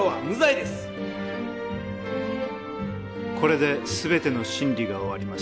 これで全ての審理が終わりました。